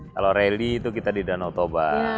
kalau rally itu kita di danau toba